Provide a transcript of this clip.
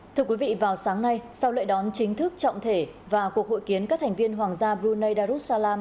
thưa quý vị vào sáng nay sau lễ đón chính thức trọng thể và cuộc hội kiến các thành viên hoàng gia brunei darussalam